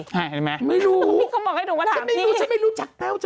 ใช่ไหมไม่รู้ฉันไม่รู้ฉันไม่รู้จักแต้ว